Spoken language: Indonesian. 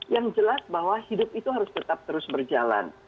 yang jelas bahwa hidup itu harus tetap terus berjalan